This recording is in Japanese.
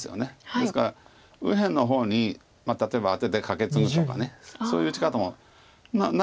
ですから右辺の方に例えばアテてカケツグとかそういう打ち方もないわけじゃなくて。